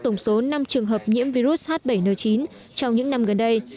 năm trường hợp nhiễm virus h bảy n chín trong những năm gần đây